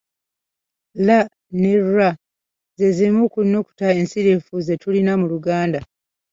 L ne r ze zimu ku nnukuta ensirifu ze tulina mu Luganda.